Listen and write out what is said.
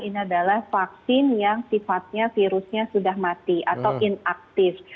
ini adalah vaksin yang sifatnya virusnya sudah mati atau inaktif